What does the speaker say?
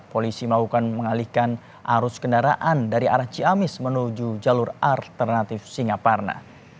polisi melakukan mengalihkan arus kendaraan dari arah ciamis menuju jalur alternatif singaparna